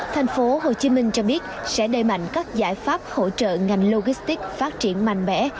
thành phố hồ chí minh cho biết sẽ đẩy mạnh các giải pháp hỗ trợ ngành logistics phát triển mạnh mẽ